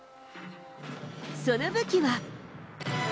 その武器は。